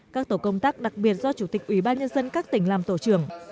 các tổ công tác đặc biệt do chủ tịch ủy ban nhân dân các tỉnh làm tổ trưởng